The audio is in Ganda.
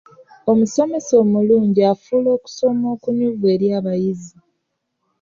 Omusomesa omulungi afuula okusoma okunyuvu eri abayizi.